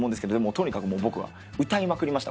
とにかく僕は歌いまくりました。